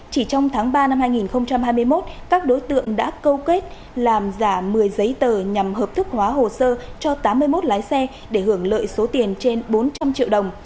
chỉ trong tháng ba năm hai nghìn hai mươi một các đối tượng đã câu kết làm giả một mươi giấy tờ nhằm hợp thức hóa hồ sơ cho tám mươi một lái xe để hưởng lợi số tiền trên bốn trăm linh triệu đồng